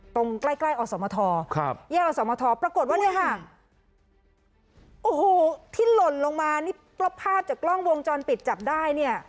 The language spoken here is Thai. ตรงใกล้ใกล้อสมทครับแยกอสมทปรากฏว่าเนี่ยค่ะโอ้โหที่หล่นลงมานี่ก็ภาพจากกล้องวงจรปิดจับได้เนี่ย